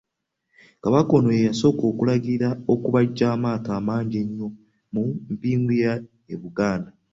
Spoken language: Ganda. Kabaka ono ye yasooka okulagira okubajja amaato amangi ennyo mu mpingu y'e Buganda.